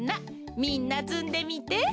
みんなつんでみて。